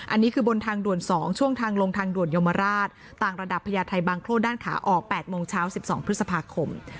อันนี้คือบนทางด่วน๒ช่วงทางลงทางด่วนยมราชต่างระดับพญาไทยบางโครดด้านขาออก๘โมงเช้า๑๒พฤษภาคม